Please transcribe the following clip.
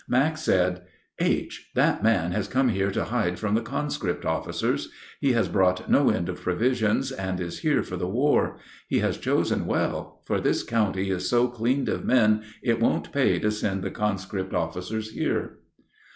Max said: "H., that man has come here to hide from the conscript officers. He has brought no end of provisions, and is here for the war. He has chosen well, for this county is so cleaned of men it won't pay to send the conscript officers here."